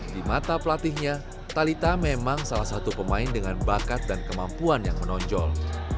di mata pelatihnya talitha memang salah satu pemain dengan bakat dan kemampuan yang menonjol